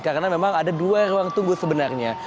karena memang ada dua ruang tunggu sebenarnya